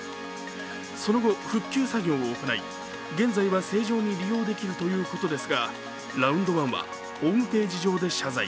その後、復旧作業を行い、現在は正常に利用できるということですが、ラウンドワンはホームページ上で謝罪。